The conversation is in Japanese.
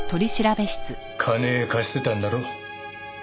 金貸してたんだろう？